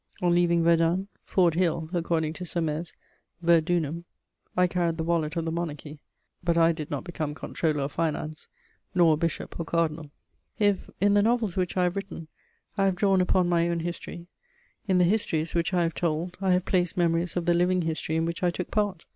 On leaving Verdun, "Ford Hill" according to Saumaise, ver dunum, I carried the wallet of the Monarchy, but I did not become Comptroller of Finance, nor a bishop or cardinal. If, in the novels which I have written, I have drawn upon my own history, in the histories which I have told I have placed memories of the living history in which I took part.